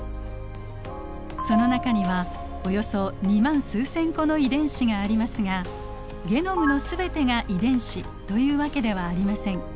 その中にはおよそ２万数千個の遺伝子がありますがゲノムの全てが遺伝子というわけではありません。